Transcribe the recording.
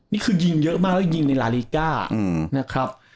นี่คือยิงเยอะมากแล้วยิงในลาลีก้านะครับ